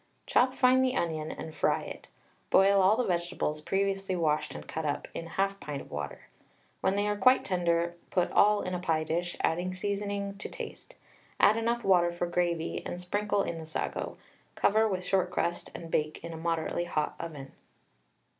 Chop fine the onion and fry it. Boil all the vegetables, previously washed and cut up, in 1/2 pint of water. When they are quite tender, put all in a pie dish, adding seasoning to taste. Add enough water for gravy, and sprinkle in the sago. Cover with short crust, and bake in a moderately hot oven.